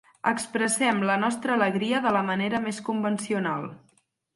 Expressem la nostra alegria de la manera més convencional.